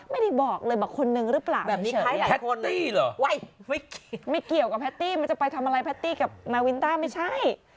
ไม่ได้บอกเลยบอกคนนึงหรือเปล่าแบบนี้คล้ายหลายแพทตี้เหรอไม่เกี่ยวกับแพตตี้มันจะไปทำอะไรแพตตี้กับนาวินต้าไม่ใช่